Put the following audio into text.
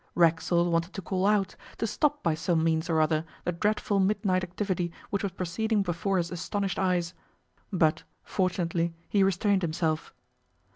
Racksole wanted to call out, to stop by some means or other the dreadful midnight activity which was proceeding before his astonished eyes; but fortunately he restrained himself.